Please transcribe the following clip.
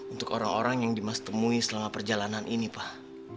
untuk orang orang yang dimasetemui selama perjalanan ini pak